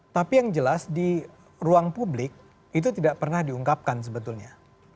tapi yang jelas di ruang publik itu tidak pernah diungkapkan sebetulnya